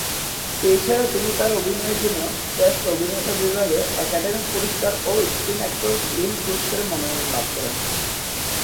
এছাড়া তিনি তার অভিনয়ের জন্য শ্রেষ্ঠ অভিনেতা বিভাগে একাডেমি পুরস্কার ও স্ক্রিন অ্যাক্টরস গিল্ড পুরস্কারের মনোনয়ন লাভ করেন।